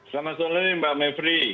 selamat sore mbak mepri